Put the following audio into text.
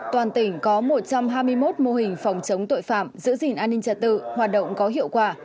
toàn tỉnh có một trăm hai mươi một mô hình phòng chống tội phạm giữ gìn an ninh trật tự hoạt động có hiệu quả